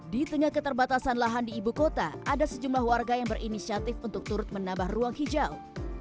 di tengah keterbatasan lahan di ibu kota ada sejumlah warga yang berinisiatif untuk turut menambah ruang hijau